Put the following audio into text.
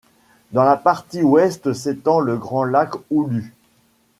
Dans la partie ouest s'étend le grand lac Oulu.